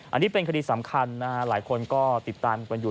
อันนี้เป็นคดีสำคัญนะฮะหลายคนก็ติดตามกันอยู่